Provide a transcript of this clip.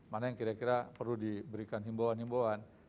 mana yang kira kira perlu diberikan himbauan himbauan